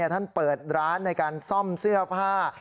ท่านเปิดร้านในการซ่อมเสื้อผ้า